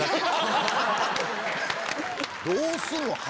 どうするの？